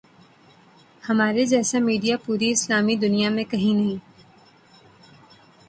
ہمارے جیسا میڈیا پوری اسلامی دنیا میں کہیں نہیں۔